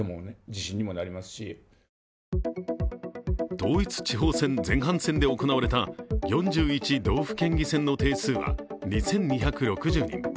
統一地方選前半戦で行われた４１道府県議選の定数は２２６０人。